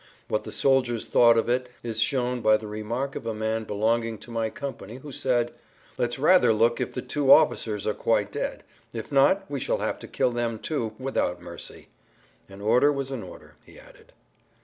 What the soldiers thought of it is shown by the remark of a man[Pg 68] belonging to my company who said, "Let's rather look if the two officers are quite dead; if not, we shall have to kill them, too, without mercy." An order was an order, he added.